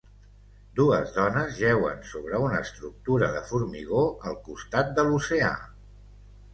Dues dones jeuen sobre una estructura de formigó al costat de l'oceà.